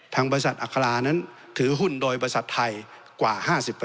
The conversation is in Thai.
ทางบริษัทอัครานั้นถือหุ้นโดยบริษัทไทยกว่า๕๐